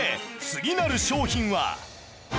次なる商品は